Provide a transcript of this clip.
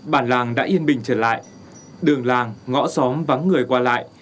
bản làng đã yên bình trở lại đường làng ngõ xóm vắng người qua lại